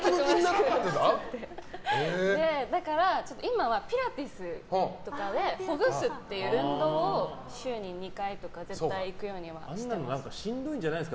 だから今はピラティスとかでほぐすという運動を週に２回、行くようにしてます。